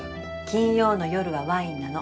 金曜の夜はワインなの。